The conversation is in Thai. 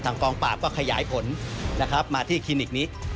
ทางกองปากก็ขยายผลมาที่คลีนิกนี้